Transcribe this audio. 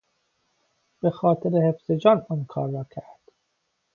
به خاطر حفظ جان آن کار را کرد.